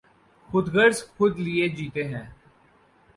خود غرض خود لئے جیتے ہیں۔